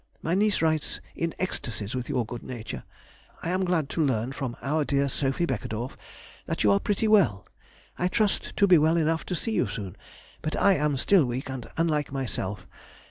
My niece writes in extasies with your good nature. I am glad to learn from our dear Sophy Beckedorff that you are pretty well. I trust to be well enough soon to see you, but I am still weak and unlike myself.